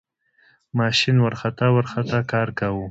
ماشین ورخطا ورخطا کار کاوه.